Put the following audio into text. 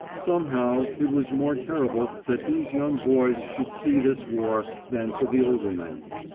Somehow it was more terrible that these young boys should see this war, than for the older men.